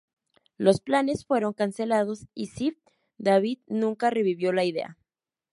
Los planes fueron cancelados, y Ziff-Davis nunca revivió la idea.